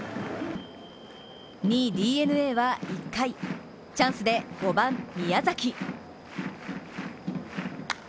２位のＤｅＮＡは１回、チャンスで５番・宮崎。